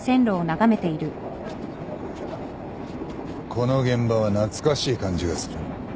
この現場は懐かしい感じがする。